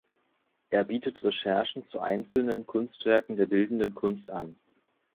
Er bietet Recherchen zu einzelnen Kunstwerken der bildenden Kunst an.